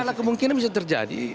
bisa ada kemungkinan bisa terjadi